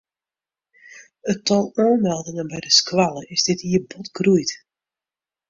It tal oanmeldingen by de skoalle is dit jier bot groeid.